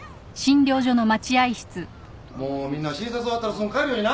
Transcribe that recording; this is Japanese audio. もうみんな診察終わったらすぐ帰るようにな。